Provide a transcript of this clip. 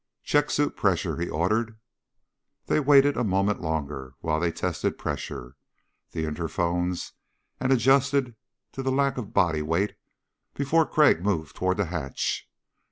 "Check suit pressure," he ordered. They waited a moment longer while they tested pressure, the interphones, and adjusted to the lack of body weight before Crag moved toward the hatch.